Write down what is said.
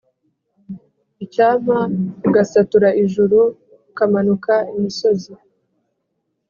Icyampa ugasatura ijuru ukamanuka imisozi